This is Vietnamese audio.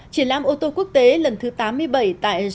triển lãm ô tô quốc tế lần thứ tám mươi bảy tại